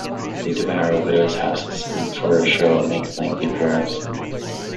They devour widows' houses and for a show make lengthy prayers.